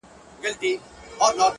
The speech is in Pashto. چي ستا له سونډو نه خندا وړي څوك ـ